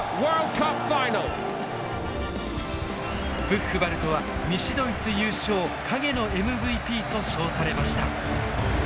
ブッフバルトは西ドイツ優勝「影のＭＶＰ」と称されました。